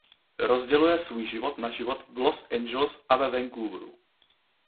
Rozděluje svůj život na život v Los Angeles a ve Vancouveru.